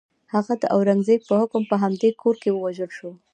هغه د اورنګزېب په حکم په همدې کور کې ووژل شو.